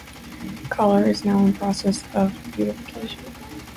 Kaller is now in process of beatification.